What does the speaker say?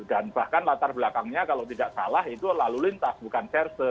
dan bahkan latar belakangnya kalau tidak salah itu lalu lintas bukan verse